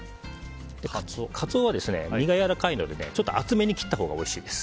カツオは、身がやわらかいのでちょっと厚めに切ったほうがおいしいです。